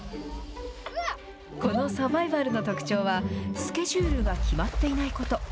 このサバイバルの特徴は、スケジュールが決まっていないこと。